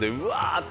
って